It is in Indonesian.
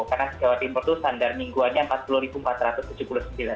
karena di jawa timur itu standar mingguannya empat puluh empat ratus tujuh puluh sembilan mbak